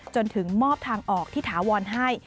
จนถึงมอบทางออกที่ถาวรให้